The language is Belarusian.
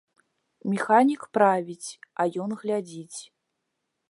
Механік правіць, а ён глядзіць.